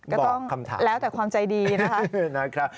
ก็ต้องแล้วแต่ความใจดีนะครับ